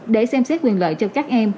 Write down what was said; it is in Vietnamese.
để xem xét quyền lợi cho các em